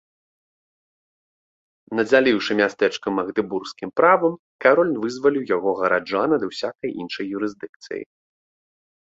Надзяліўшы мястэчка магдэбургскім правам, кароль вызваліў яго гараджан ад усякай іншай юрысдыкцыі.